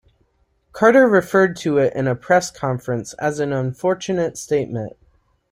Carter referred to it in a press conference as an "unfortunate statement".